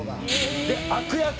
で悪役。